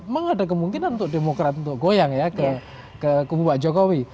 memang ada kemungkinan untuk demokrat untuk goyang ya ke kubu pak jokowi